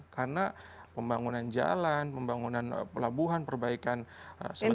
karena pembangunan jalan pembangunan pelabuhan perbaikan sebagainya